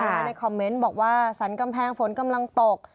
ในคอมเมนต์บอกว่าสรรกำแพงฝนกำลังตก